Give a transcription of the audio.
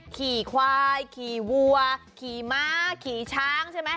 ขี่ควายขี่วัวขี่ม้าขี่ช้างใช่ไหม